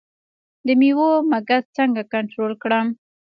د میوو مګس څنګه کنټرول کړم؟